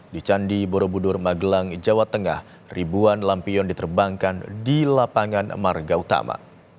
di candi borobudur magelang jawa tengah ribuan lampion diterbangkan di lapangan marga utama